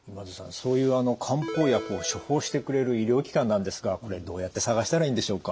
そういう漢方薬を処方してくれる医療機関なんですがこれどうやって探したらいいんでしょうか？